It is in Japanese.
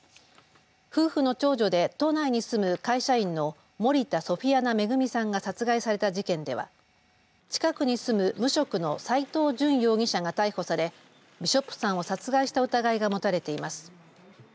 夫婦の長女で、都内に住む会社員の森田ソフィアナ恵さんが殺害された事件では近くに住む無職の斎藤淳容疑者が逮捕されビショップさんを殺害した疑いが持たれています。